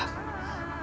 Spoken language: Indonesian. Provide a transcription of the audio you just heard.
hanya ler cymbal